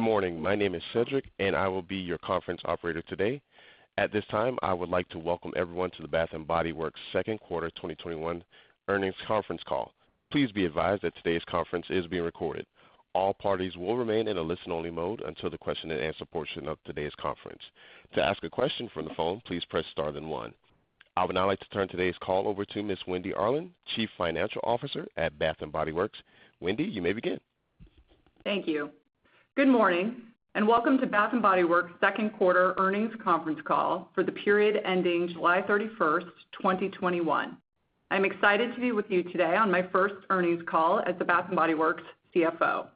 Good morning. My name is Cedric, and I will be your conference operator today. At this time, I would like to welcome everyone to the Bath & Body Works second quarter 2021 earnings conference call. Please be advised that today's conference is being recorded. All parties will remain in a listen-only mode until the question and answer portion of today's conference. To ask a question from the phone, please press star then 1. I would now like to turn today's call over to Ms. Wendy Arlin, Chief Financial Officer at Bath & Body Works. Wendy, you may begin. Thank you. Good morning, and welcome to Bath & Body Works' second quarter earnings conference call for the period ending July 31, 2021. I'm excited to be with you today on my first earnings call as the Bath & Body Works CFO.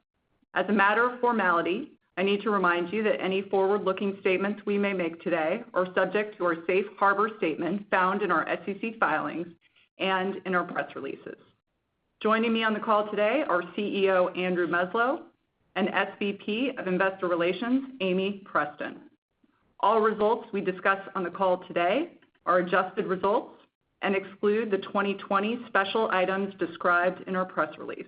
As a matter of formality, I need to remind you that any forward-looking statements we may make today are subject to our safe harbor statement found in our SEC filings and in our press releases. Joining me on the call today are CEO Andrew Meslow and SVP of Investor Relations, Amie Preston. All results we discuss on the call today are adjusted results and exclude the 2020 special items described in our press release.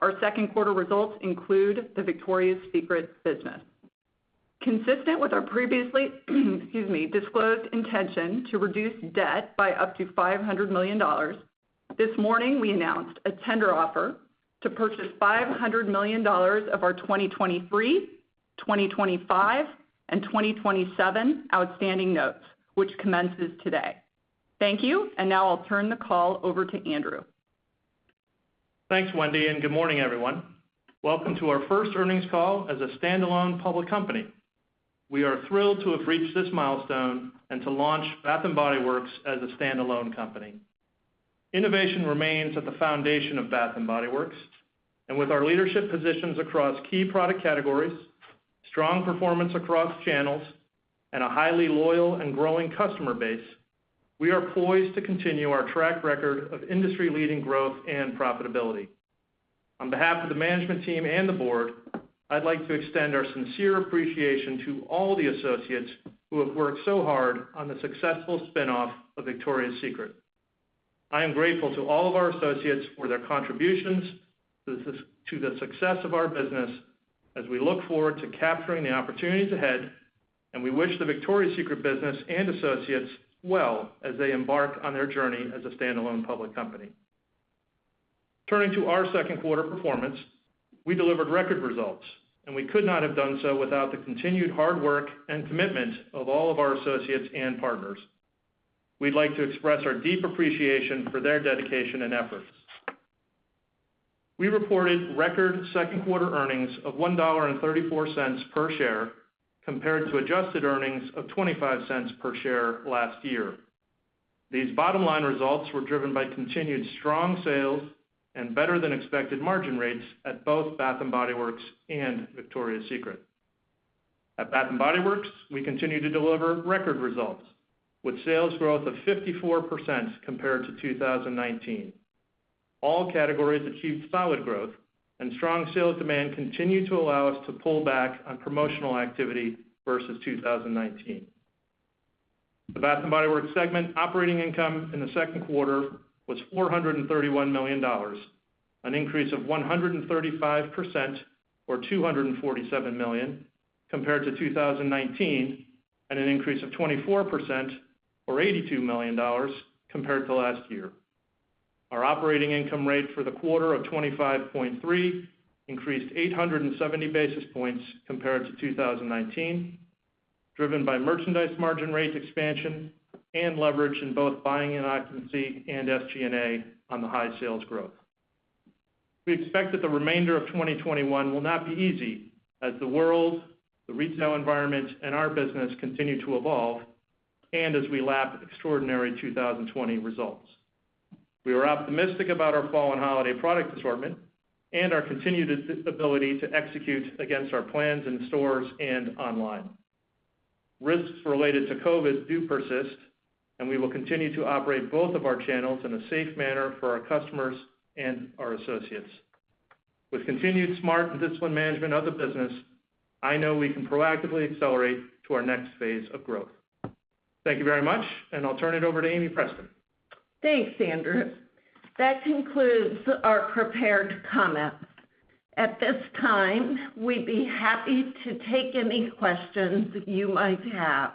Our second quarter results include the Victoria's Secret business. Consistent with our previously disclosed intention to reduce debt by up to $500 million, this morning, we announced a tender offer to purchase $500 million of our 2023, 2025, and 2027 outstanding notes, which commences today. Thank you, now I'll turn the call over to Andrew. Thanks, Wendy. Good morning, everyone. Welcome to our first earnings call as a standalone public company. We are thrilled to have reached this milestone and to launch Bath & Body Works as a standalone company. Innovation remains at the foundation of Bath & Body Works, with our leadership positions across key product categories, strong performance across channels, and a highly loyal and growing customer base, we are poised to continue our track record of industry-leading growth and profitability. On behalf of the management team and the board, I'd like to extend our sincere appreciation to all the associates who have worked so hard on the successful spin-off of Victoria's Secret. I am grateful to all of our associates for their contributions to the success of our business as we look forward to capturing the opportunities ahead, and we wish the Victoria's Secret business and associates well as they embark on their journey as a standalone public company. Turning to our second quarter performance, we delivered record results, and we could not have done so without the continued hard work and commitment of all of our associates and partners. We'd like to express our deep appreciation for their dedication and efforts. We reported record second quarter earnings of $1.34 per share, compared to adjusted earnings of $0.25 per share last year. These bottom-line results were driven by continued strong sales and better than expected margin rates at both Bath & Body Works and Victoria's Secret. At Bath & Body Works, we continue to deliver record results, with sales growth of 54% compared to 2019. All categories achieved solid growth, and strong sales demand continued to allow us to pull back on promotional activity versus 2019. The Bath & Body Works segment operating income in the second quarter was $431 million, an increase of 135%, or $247 million, compared to 2019, and an increase of 24%, or $82 million, compared to last year. Our operating income rate for the quarter of 25.3% increased 870 basis points compared to 2019, driven by merchandise margin rates expansion and leverage in both buying and occupancy and SG&A on the high sales growth. We expect that the remainder of 2021 will not be easy as the world, the retail environment, and our business continue to evolve and as we lap extraordinary 2020 results. We are optimistic about our fall and holiday product assortment and our continued ability to execute against our plans in stores and online. Risks related to COVID do persist, and we will continue to operate both of our channels in a safe manner for our customers and our associates. With continued smart and disciplined management of the business, I know we can proactively accelerate to our next phase of growth. Thank you very much, and I'll turn it over to Amie Preston. Thanks, Andrew. That concludes our prepared comments. At this time, we'd be happy to take any questions you might have.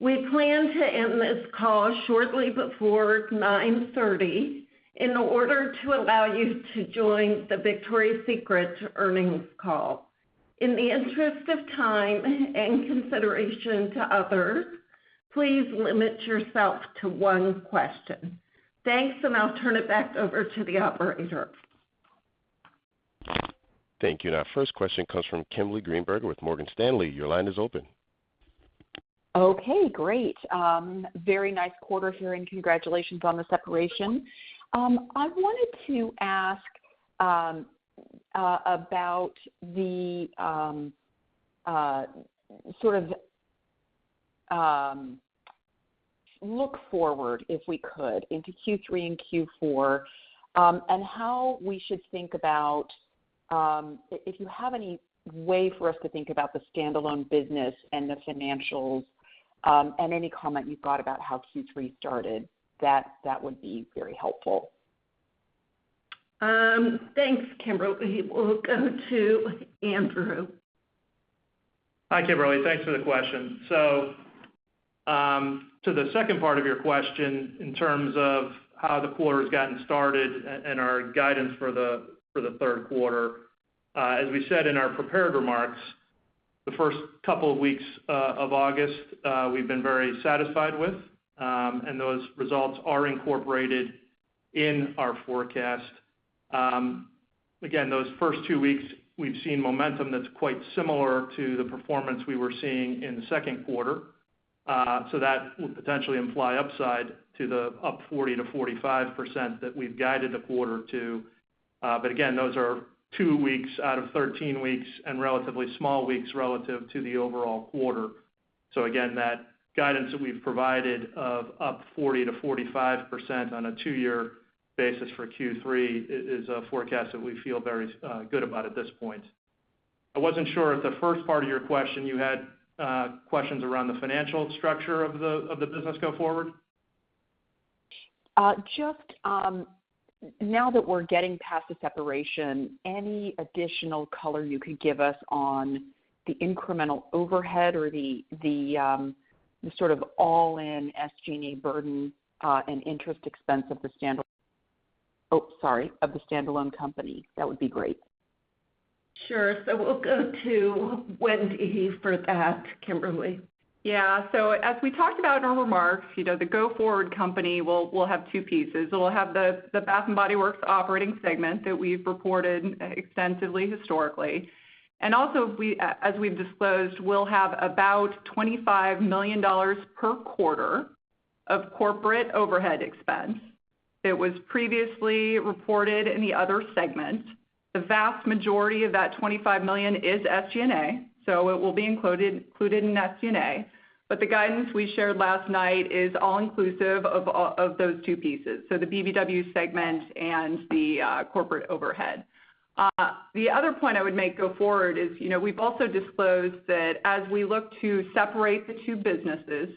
We plan to end this call shortly before 9:30 in order to allow you to join the Victoria's Secret earnings call. In the interest of time and consideration to others, please limit yourself to one question. Thanks. I'll turn it back over to the operator. Thank you. Our first question comes from Kimberly Greenberger with Morgan Stanley. Your line is open. Okay. Great. Very nice quarter here, and congratulations on the separation. I wanted to ask about the look forward, if we could, into Q3 and Q4, and how we should think about If you have any way for us to think about the standalone business and the financials, and any comment you've got about how Q3 started, that would be very helpful. Thanks, Kimberly. We'll go to Andrew. Hi, Kimberly. Thanks for the question. To the second part of your question, in terms of how the quarter has gotten started and our guidance for the third quarter, as we said in our prepared remarks, the first couple of weeks of August, we've been very satisfied with, and those results are incorporated in our forecast. Again, those first two weeks, we've seen momentum that's quite similar to the performance we were seeing in the second quarter. That will potentially imply upside to the up 40%-45% that we've guided the quarter to. Again, those are two weeks out of 13 weeks, and relatively small weeks relative to the overall quarter. Again, that guidance that we've provided of up 40%-45% on a two year basis for Q3 is a forecast that we feel very good about at this point. I wasn't sure if the first part of your question, you had questions around the financial structure of the business go forward? Just now that we're getting past the separation, any additional color you could give us on the incremental overhead or the all-in SG&A burden, and interest expense of the stand-alone company, that would be great. Sure. We'll go to Wendy for that, Kimberly. Yeah. As we talked about in our remarks, the go-forward company will have two pieces. It'll have the Bath & Body Works operating segment that we've reported extensively historically. Also, as we've disclosed, we'll have about $25 million per quarter of corporate overhead expense that was previously reported in the other segment. The vast majority of that $25 million is SG&A, so it will be included in SG&A. The guidance we shared last night is all-inclusive of those two pieces, so the BBW segment and the corporate overhead. The other point I would make go forward is, we've also disclosed that as we look to separate the two businesses,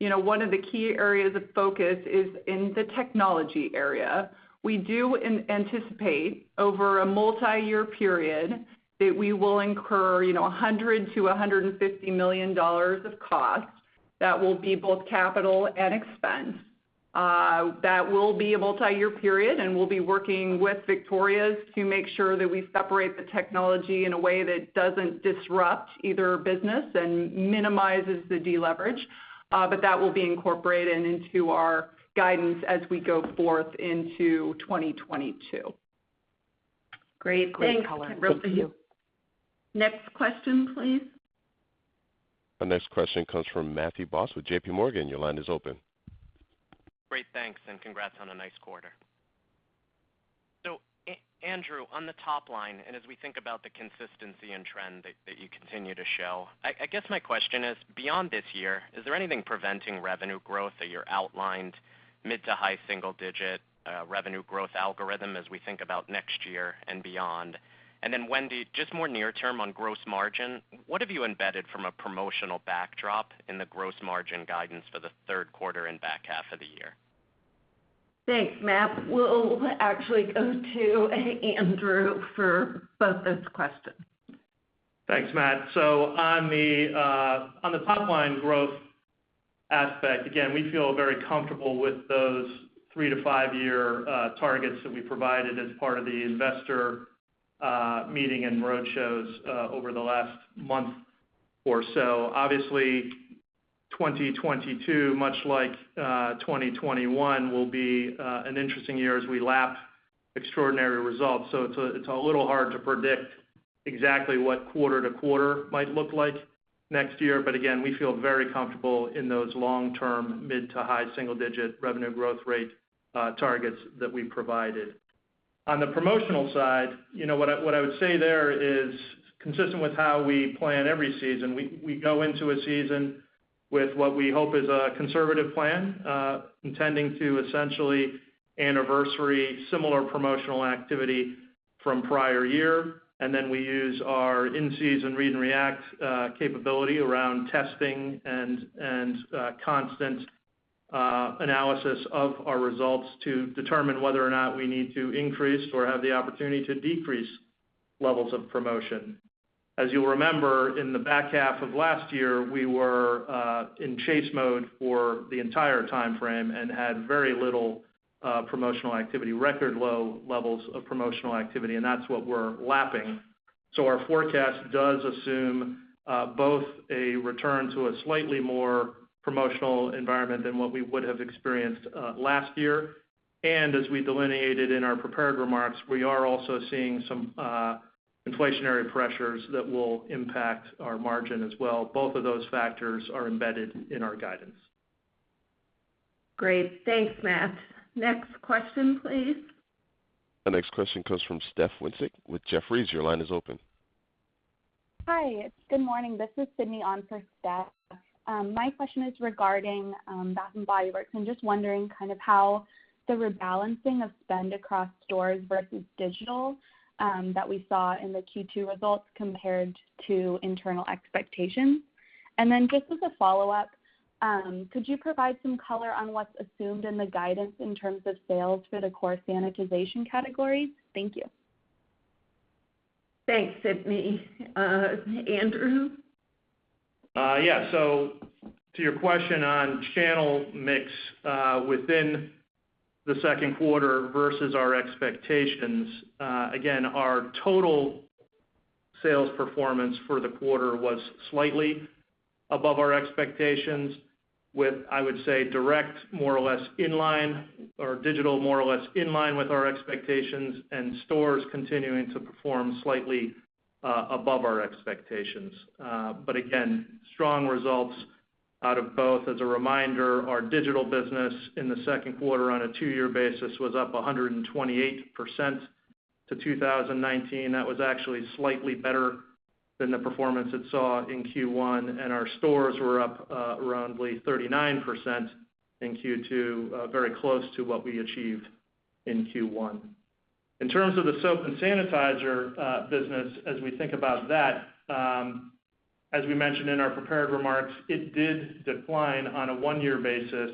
one of the key areas of focus is in the technology area. We do anticipate, over a multi-year period, that we will incur $100 million-$150 million of costs that will be both capital and expense. That will be a multi-year period, and we'll be working with Victoria's to make sure that we separate the technology in a way that doesn't disrupt either business and minimizes the deleverage. That will be incorporated into our guidance as we go forth into 2022. Great. Thanks, Kimberly. Great color. Thank you. Next question, please. The next question comes from Matt Boss with JPMorgan. Great. Thanks, and congrats on a nice quarter. Andrew, on the top line, and as we think about the consistency and trend that you continue to show, I guess my question is, beyond this year, is there anything preventing revenue growth at your outlined mid to high single-digit revenue growth algorithm as we think about next year and beyond? Wendy, just more near term on gross margin, what have you embedded from a promotional backdrop in the gross margin guidance for the third quarter and back half of the year? Thanks, Matt. We'll actually go to Andrew for both those questions. Thanks, Matt. On the top line growth aspect, again, we feel very comfortable with those three-five year targets that we provided as part of the investor meeting and roadshows over the last month or so. Obviously, 2022, much like 2021, will be an interesting year as we lap extraordinary results. It's a little hard to predict exactly what quarter to quarter might look like next year. Again, we feel very comfortable in those long-term, mid-to-high single-digit revenue growth rate targets that we've provided. On the promotional side, what I would say there is, consistent with how we plan every season, we go into a season with what we hope is a conservative plan, intending to essentially anniversary similar promotional activity from prior year. Then we use our in-season read and react capability around testing and constant analysis of our results to determine whether or not we need to increase or have the opportunity to decrease levels of promotion. As you'll remember, in the back half of last year, we were in chase mode for the entire timeframe and had very little promotional activity, record low levels of promotional activity, and that's what we're lapping. Our forecast does assume both a return to a slightly more promotional environment than what we would have experienced last year. As we delineated in our prepared remarks, we are also seeing some inflationary pressures that will impact our margin as well. Both of those factors are embedded in our guidance. Great. Thanks, Matt. Next question, please. The next question comes from Stephanie Wissink with Jefferies. Your line is open. Hi. Good morning. This is Sydney on for Steph. My question is regarding Bath & Body Works, and just wondering how the rebalancing of spend across stores versus digital that we saw in the Q2 results compared to internal expectations. Just as a follow-up Could you provide some color on what's assumed in the guidance in terms of sales for the core sanitization categories? Thank you. Thanks, Sydney. Andrew? Yeah. To your question on channel mix within the second quarter versus our expectations, again, our total sales performance for the quarter was slightly above our expectations with, I would say, direct more or less in line or digital more or less in line with our expectations, and stores continuing to perform slightly above our expectations. Again, strong results out of both. As a reminder, our digital business in the second quarter on a two year basis was up 128% to 2019. That was actually slightly better than the performance it saw in Q1, and our stores were up around 39% in Q2, very close to what we achieved in Q1. In terms of the soap and sanitizer business, as we think about that, as we mentioned in our prepared remarks, it did decline on a one year basis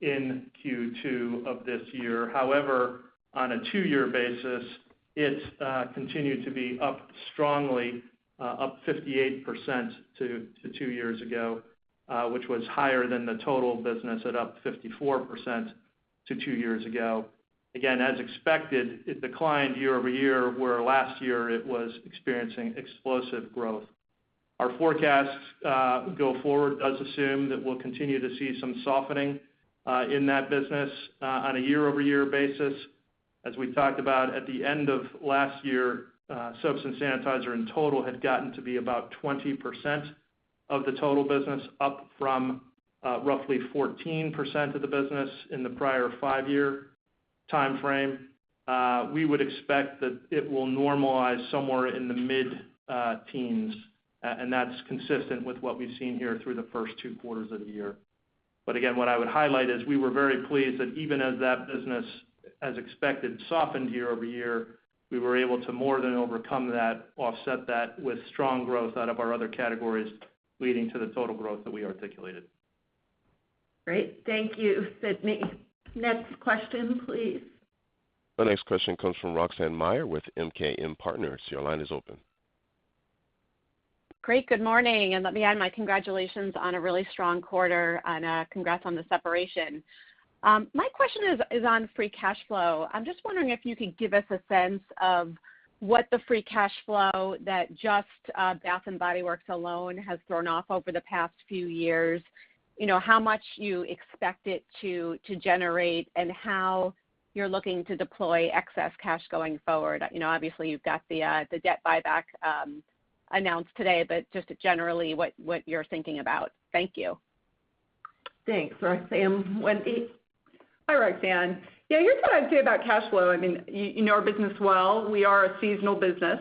in Q2 of this year. However, on a two-year basis, it continued to be up strongly, up 58% to two years ago, which was higher than the total business at up 54% to two years ago. Again, as expected, it declined year-over-year, where last year it was experiencing explosive growth. Our forecasts going forward does assume that we'll continue to see some softening in that business on a year-over-year basis. As we talked about at the end of last year, soaps and sanitizer in total had gotten to be about 20% of the total business, up from roughly 14% of the business in the prior five-year timeframe. We would expect that it will normalize somewhere in the mid-teens, and that's consistent with what we've seen here through the first two quarters of the year. Again, what I would highlight is we were very pleased that even as that business, as expected, softened year-over-year, we were able to more than overcome that, offset that with strong growth out of our other categories, leading to the total growth that we articulated. Great. Thank you, Sydney. Next question, please. The next question comes from Roxanne Meyer with MKM Partners. Your line is open. Great. Good morning. Let me add my congratulations on a really strong quarter and congrats on the separation. My question is on free cash flow. I'm just wondering if you could give us a sense of what the free cash flow that just Bath & Body Works alone has thrown off over the past few years, how much you expect it to generate, and how you're looking to deploy excess cash going forward. Obviously, you've got the debt buyback announced today, just generally what you're thinking about. Thank you. Thanks, Roxanne. Wendy? Hi, Roxanne. Yeah, here's what I'd say about cash flow. You know our business well. We are a seasonal business,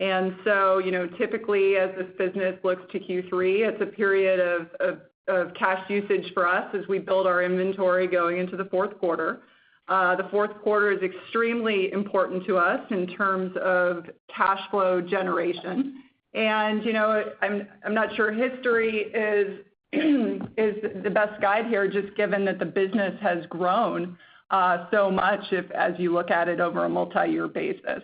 and so typically, as this business looks to Q3, it's a period of cash usage for us as we build our inventory going into the fourth quarter. The fourth quarter is extremely important to us in terms of cash flow generation. I'm not sure history is the best guide here, just given that the business has grown so much as you look at it over a multi-year basis.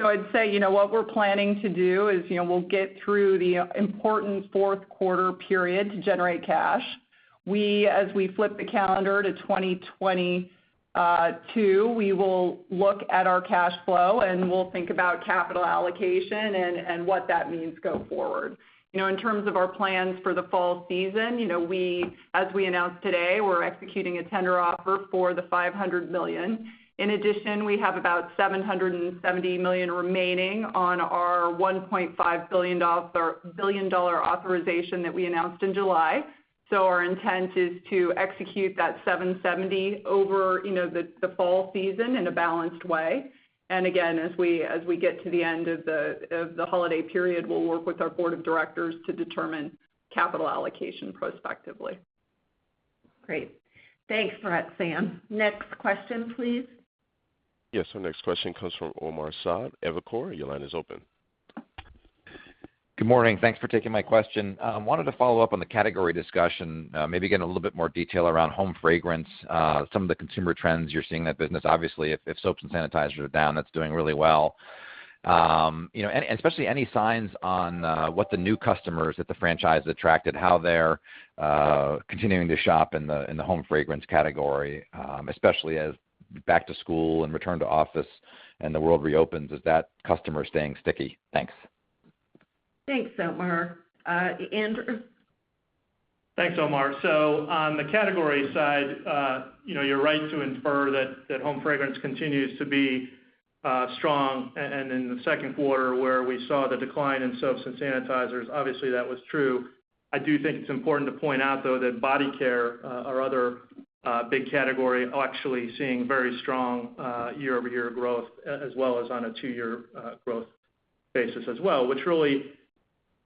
I'd say what we're planning to do is we'll get through the important fourth quarter period to generate cash. As we flip the calendar to 2022, we will look at our cash flow, and we'll think about capital allocation and what that means going forward. In terms of our plans for the fall season, as we announced today, we're executing a tender offer for the $500 million. In addition, we have about $770 million remaining on our $1.5 billion authorization that we announced in July. Our intent is to execute that $770 million over the fall season in a balanced way. Again, as we get to the end of the holiday period, we'll work with our board of directors to determine capital allocation prospectively. Great. Thanks, Roxanne. Next question, please. Yes, our next question comes from Omar Saad, Evercore. Your line is open. Good morning. Thanks for taking my question. I wanted to follow up on the category discussion, maybe get a little bit more detail around home fragrance, some of the consumer trends you're seeing in that business. Obviously, if soaps and sanitizers are down, that's doing really well. Especially any signs on what the new customers that the franchise attracted, how they're continuing to shop in the home fragrance category, especially as back to school and return to office and the world reopens. Is that customer staying sticky? Thanks. Thanks, Omar. Andrew? Thanks, Omar. On the category side, you're right to infer that home fragrance continues to be strong. In the second quarter where we saw the decline in soaps and sanitizers, obviously that was true. I do think it's important to point out, though, that body care, our other big category, actually seeing very strong year-over-year growth as well as on a two year growth basis as well, which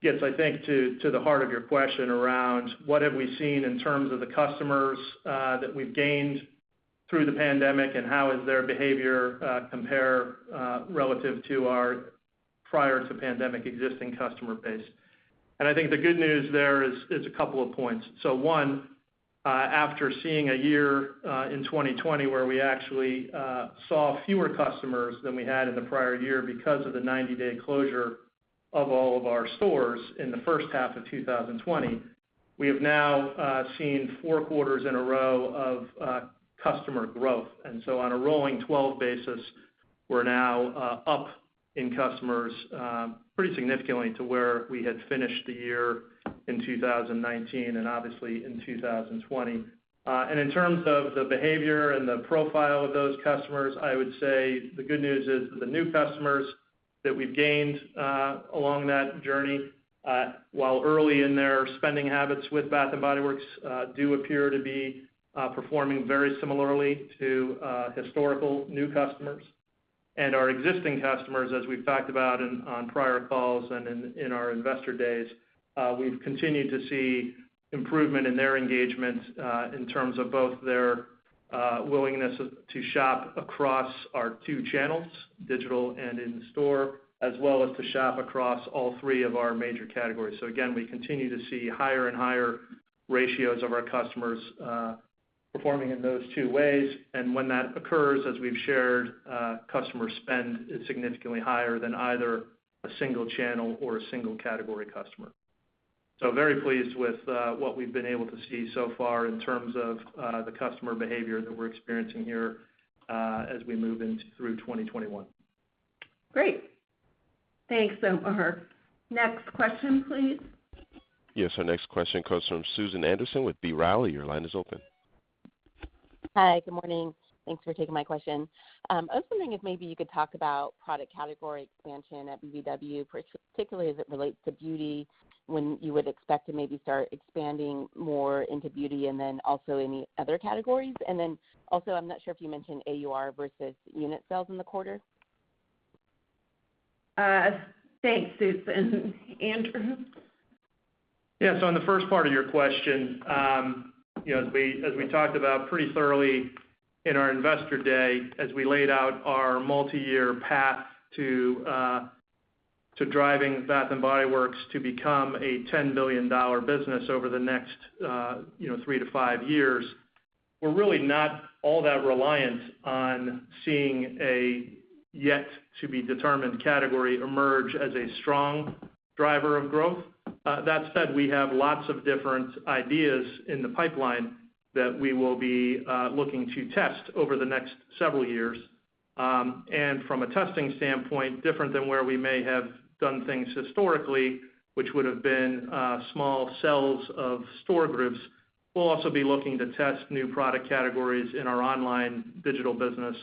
really gets, I think, to the heart of your question around what have we seen in terms of the customers that we've gained through the pandemic and how does their behavior compare relative to our prior to pandemic existing customer base. I think the good news there is a couple of points. One, after seeing a year in 2020 where we actually saw fewer customers than we had in the prior year because of the 90-day closure of all of our stores in the first half of 2020, we have now seen four quarters in a row of customer growth. On a rolling 12 basis, we're now up in customers pretty significantly to where we had finished the year in 2019, and obviously in 2020. In terms of the behavior and the profile of those customers, I would say the good news is that the new customers that we've gained along that journey, while early in their spending habits with Bath & Body Works, do appear to be performing very similarly to historical new customers. Our existing customers, as we've talked about on prior calls and in our investor days, we've continued to see improvement in their engagement in terms of both their willingness to shop across our two channels, digital and in store, as well as to shop across all three of our major categories. Again, we continue to see higher and higher ratios of our customers performing in those two ways, and when that occurs, as we've shared, customer spend is significantly higher than either a single channel or a single category customer. Very pleased with what we've been able to see so far in terms of the customer behavior that we're experiencing here, as we move through 2021. Great. Thanks, Omar. Next question, please. Yes, our next question comes from Susan Anderson with B. Riley. Your line is open. Hi, good morning. Thanks for taking my question. I was wondering if maybe you could talk about product category expansion at BBW, particularly as it relates to beauty, when you would expect to maybe start expanding more into beauty, and then also any other categories. Also, I'm not sure if you mentioned AUR versus unit sales in the quarter. Thanks, Susan. Andrew? On the first part of your question, as we talked about pretty thoroughly in our investor day, as we laid out our multi-year path to driving Bath & Body Works to become a $10 billion business over the next three-five years, we're really not all that reliant on seeing a yet-to-be-determined category emerge as a strong driver of growth. That said, we have lots of different ideas in the pipeline that we will be looking to test over the next several years. From a testing standpoint, different than where we may have done things historically, which would've been small cells of store groups, we'll also be looking to test new product categories in our online digital business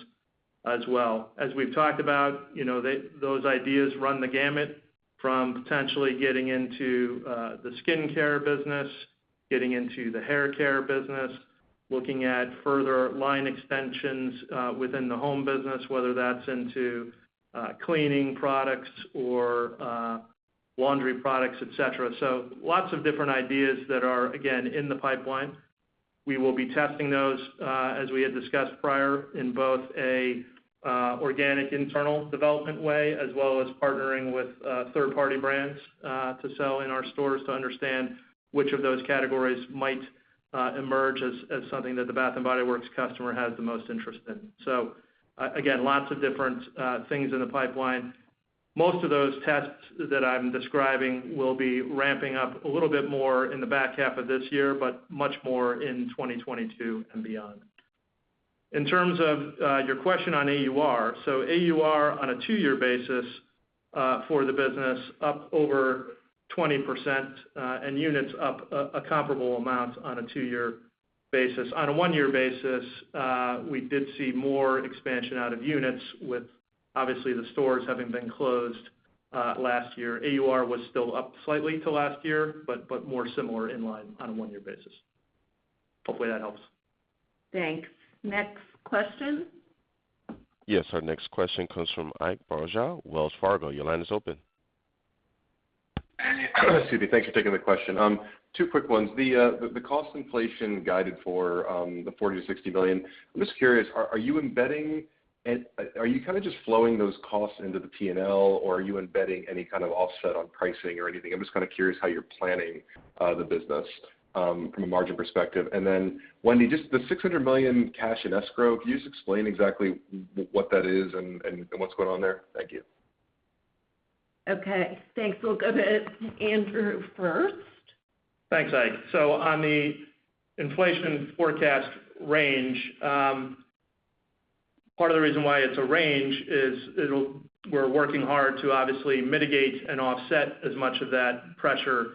as well. As we've talked about, those ideas run the gamut from potentially getting into the skincare business, getting into the haircare business, looking at further line extensions within the home business, whether that's into cleaning products or laundry products, et cetera. Lots of different ideas that are, again, in the pipeline. We will be testing those, as we had discussed prior, in both a organic internal development way, as well as partnering with third-party brands, to sell in our stores to understand which of those categories might emerge as something that the Bath & Body Works customer has the most interest in. Again, lots of different things in the pipeline. Most of those tests that I'm describing will be ramping up a little bit more in the back half of this year, but much more in 2022 and beyond. In terms of your question on AUR on a two-year basis for the business up over 20%, and units up a comparable amount on a two-year basis. On a one-year basis, we did see more expansion out of units with, obviously, the stores having been closed last year. AUR was still up slightly to last year, but more similar in line on a one-year basis. Hopefully that helps. Thanks. Next question? Yes, our next question comes from Ike Boruchow, Wells Fargo. Your line is open. Excuse me. Thanks for taking the question. Two quick ones. The cost inflation guided for the $40 million-$60 million, I'm just curious, are you just flowing those costs into the P&L, or are you embedding any kind of offset on pricing or anything? I'm just curious how you're planning the business from a margin perspective. Wendy, just the $600 million cash in escrow, can you just explain exactly what that is and what's going on there? Thank you. Okay, thanks. We'll go to Andrew first. Thanks, Ike. On the inflation forecast range, part of the reason why it's a range is we're working hard to obviously mitigate and offset as much of that pressure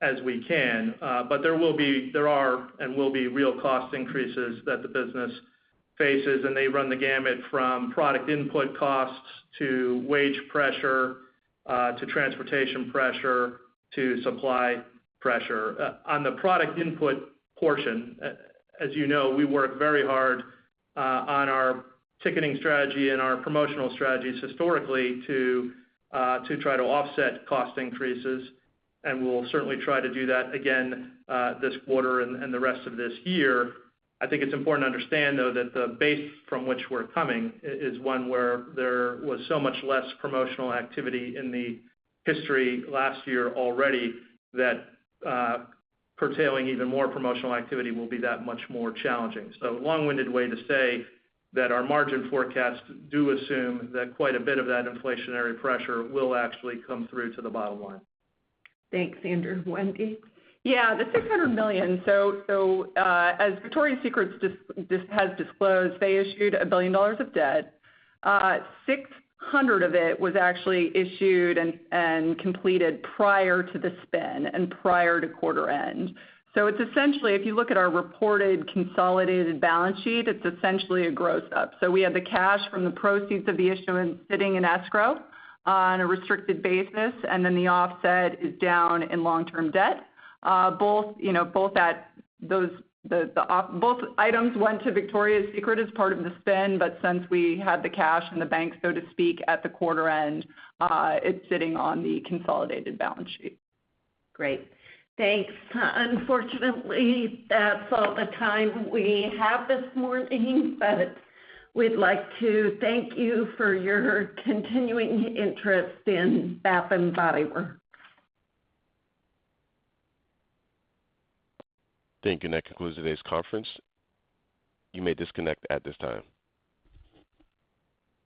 as we can. There are and will be real cost increases that the business faces, and they run the gamut from product input costs to wage pressure, to transportation pressure, to supply pressure. On the product input portion, as you know, we work very hard on our ticketing strategy and our promotional strategies historically to try to offset cost increases, and we'll certainly try to do that again this quarter and the rest of this year. I think it's important to understand, though, that the base from which we're coming is one where there was so much less promotional activity in the history last year already, that curtailing even more promotional activity will be that much more challenging. Long-winded way to say that our margin forecasts do assume that quite a bit of that inflationary pressure will actually come through to the bottom line. Thanks, Andrew. Wendy? Yeah, the $600 million. As Victoria's Secret has disclosed, they issued $1 billion of debt. 600 of it was actually issued and completed prior to the spin and prior to quarter end. It's essentially, if you look at our reported consolidated balance sheet, it's essentially a gross up. We have the cash from the proceeds of the issuance sitting in escrow on a restricted basis, and then the offset is down in long-term debt. Both items went to Victoria's Secret as part of the spin, but since we had the cash in the bank, so to speak, at the quarter end, it's sitting on the consolidated balance sheet. Great. Thanks. Unfortunately, that's all the time we have this morning, but we'd like to thank you for your continuing interest in Bath & Body Works. Thank you. That concludes today's conference. You may disconnect at this time.